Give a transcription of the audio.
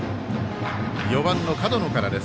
４番の門野からです。